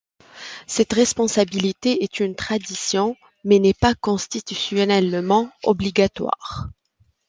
Cette responsabilité est une tradition mais n'est pas constitutionnellement obligatoire.